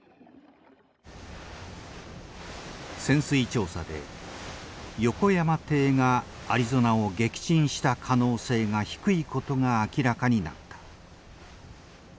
潜水調査で横山艇がアリゾナを撃沈した可能性が低いことが明らかになった。